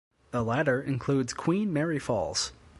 The latter includes Queen Mary Falls.